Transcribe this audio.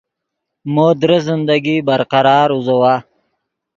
مو درست زندگی برقرار اوزوّا